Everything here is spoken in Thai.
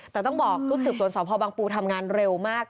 แต่ต้องบอกรูปสืบตัวนใชวิตสวปภบังปูศ์ทำงานเร็วมาก